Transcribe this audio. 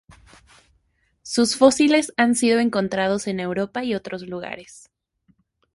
Sus fósiles han sido encontrados en Europa y otros lugares.